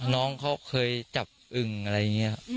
น้องเขาเคยจับอึ่งอะไรอย่างนี้